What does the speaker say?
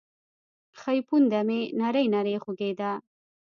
ښۍ پونده مې نرۍ نرۍ خوږېده.